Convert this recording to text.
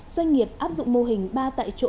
doanh nghiệp áp dụng mô hình ba